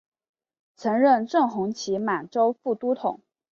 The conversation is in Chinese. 曾任正红旗满洲副都统。